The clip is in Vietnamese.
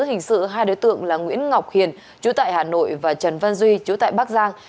hình sự hai đối tượng là nguyễn ngọc hiền chú tại hà nội và trần văn duy chú tại bắc giang